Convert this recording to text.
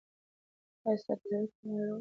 ایا ستا د زده کړې معیار لوړ سوی؟